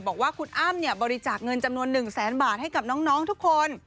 บอกว่าคุณอ้ำบริจาคเงินจำนวน๑แสนบาทให้กับน้องทุกคน